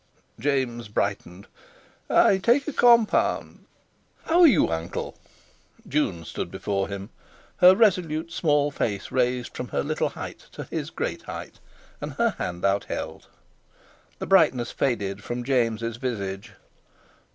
James brightened. "I take a compound...." "How are you, uncle?" June stood before him, her resolute small face raised from her little height to his great height, and her hand outheld. The brightness faded from James's visage.